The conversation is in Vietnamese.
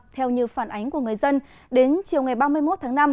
theo như phản ánh của người dân đến chiều ngày ba mươi một tháng năm